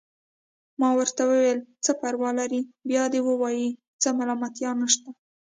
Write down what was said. ما ورته وویل: څه پروا لري، بیا دې ووايي، څه ملامتیا نشته.